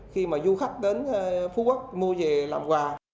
khi mà du khách đến phú quốc mua về làm quà